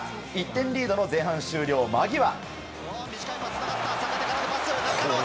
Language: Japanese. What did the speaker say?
１点リードの前半終了間際。